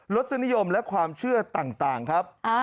รสนิยมและความเชื่อต่างครับ